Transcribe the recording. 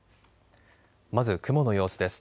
まず雲の様子です。